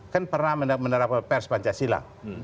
kan pernah menerapkan pers pancasila